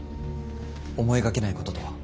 思いがけないこととは？